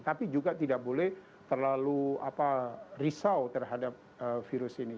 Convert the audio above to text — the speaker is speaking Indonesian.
tapi juga tidak boleh terlalu risau terhadap virus ini